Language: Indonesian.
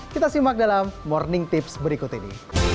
kita simak dalam morning tips berikut ini